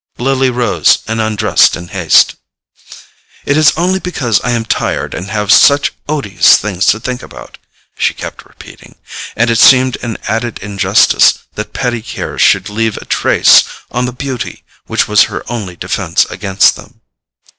Lily rose and undressed in haste. "It is only because I am tired and have such odious things to think about," she kept repeating; and it seemed an added injustice that petty cares should leave a trace on the beauty which was her only defence against them.